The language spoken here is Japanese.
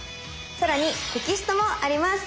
更にテキストもあります。